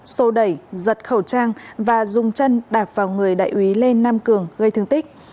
xô đẩy giật khẩu trang và dùng chân đạp vào người đại úy lê nam cường gây thương tích